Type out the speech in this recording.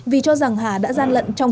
vì cho rằng hà đã gian lận trong